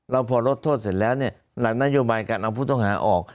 เราพอลดโทษเสร็จแล้วเนี่ยหลังนโยบายการเอาผู้ต้องหาออก